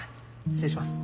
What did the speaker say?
失礼します。